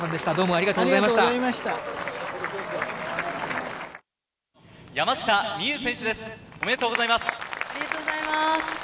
ありがとうございます。